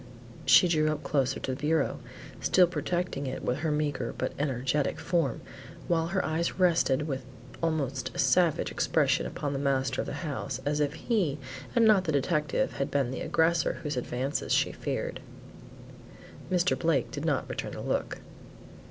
She drew up closer to the bureau, still protecting it with her meagre but energetic form while her eyes rested with almost a savage expression upon the master of the house as if he, and not the detective, had been the aggressor whose advances she feared. Mr. Blake did not return the look.